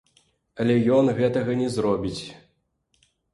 Але ён гэтага не зробіць.